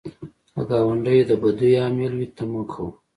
که ګاونډی د بدیو عامل وي، ته مه کوه